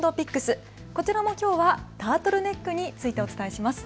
こちらもきょうはタートルネックについてお伝えします。